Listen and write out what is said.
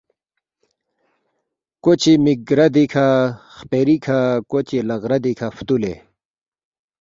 کوچے مک ردی کھا ، خپیری کھا ، کوچے لق ردی کھا فُتولے